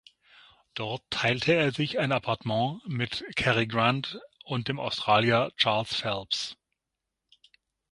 Dort teilte er sich ein Apartment mit Cary Grant und dem Australier Charles Phelps.